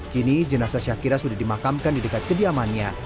kini jenazah syakira sudah dimakamkan di dekat kediamannya